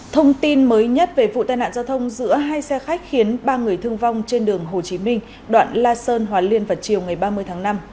thông tin mới nhất về vụ tai nạn giao thông giữa hai xe khách khiến ba người thương vong trên đường hồ chí minh đoạn la sơn hòa liên vào chiều ngày ba mươi tháng năm